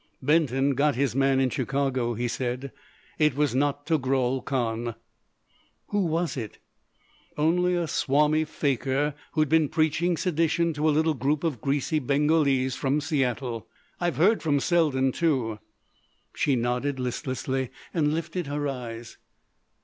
"Benton got his man in Chicago," he said. "It was not Togrul Kahn." "Who was it?" "Only a Swami fakir who'd been preaching sedition to a little group of greasy Bengalese from Seattle.... I've heard from Selden, too." She nodded listlessly and lifted her eyes.